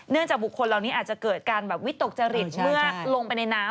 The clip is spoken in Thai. จากบุคคลเหล่านี้อาจจะเกิดการแบบวิตกจริตเมื่อลงไปในน้ำ